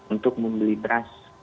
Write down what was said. untuk membeli beras